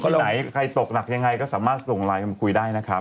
ที่ไหนใครตกหนักยังไงก็สามารถส่งไลน์มาคุยได้นะครับ